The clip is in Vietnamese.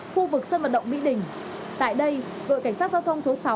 khu vực sân vận động mỹ đình tại đây đội cảnh sát giao thông số sáu